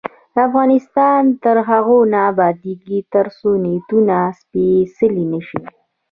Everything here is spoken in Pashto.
افغانستان تر هغو نه ابادیږي، ترڅو نیتونه سپیڅلي نشي.